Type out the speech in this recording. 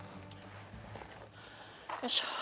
よいしょ。